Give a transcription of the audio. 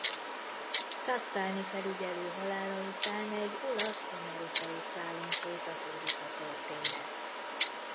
Cattani felügyelő halála után egy olasz-amerikai szálon folytatódik a történet.